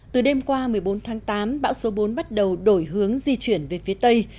từ đêm qua một mươi bốn tháng tám bão số bốn bắt đầu đổi hướng di chuyển về phía tây